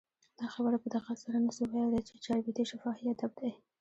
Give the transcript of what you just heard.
دا خبره په دقت سره نه سو ویلي، چي چاربیتې شفاهي ادب دئ.